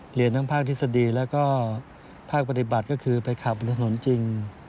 เรียนทั้งภาคทฤษฎีแล้วก็ภาคปฏิบัติก็คือไปขับบนถนนจริง